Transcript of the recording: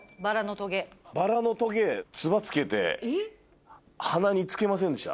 薔薇のトゲつば付けて鼻に付けませんでした？